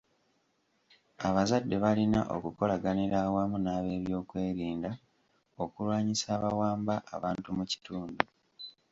Abazadde balina okukolaganira awamu n'abebyokwerinda okulwanyisa abawamba abantu mu kitundu.